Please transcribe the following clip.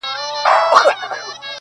زموږ اعمال د ځان سرمشق کړه تاریخ ګوره-